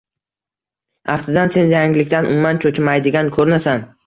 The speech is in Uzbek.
— aftidan, sen yangilikdan umuman cho‘chimaydigan ko‘rinasan